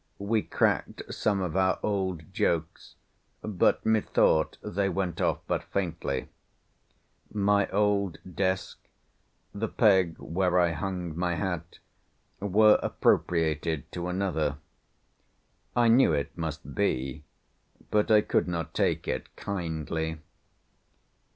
We cracked some of our old jokes, but methought they went off but faintly. My old desk; the peg where I hung my hat, were appropriated to another. I knew it must be, but I could not take it kindly.